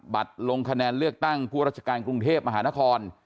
ลงคะแนนเลือกตั้งผู้ราชการกรุงเทพมหานคร